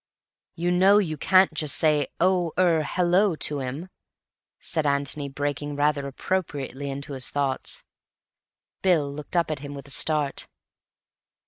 "You know, you can't just say, 'Oh—er—hallo!' to him," said Antony, breaking rather appropriately into his thoughts. Bill looked up at him with a start.